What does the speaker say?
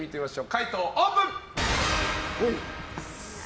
解答オープン。